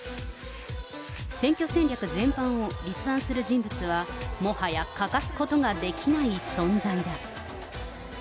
選挙戦略全般を立案する人物は、もはや欠かすことができない存在だ。